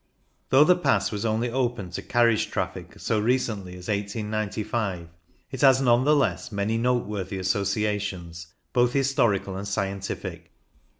Though the Pass was only opened to carriage traffic so recently as 1895, it has none the less many noteworthy associations, both his torical and scientific.